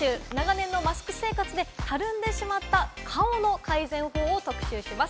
長年のマスク生活でたるんでしまった顔の改善法を特集します。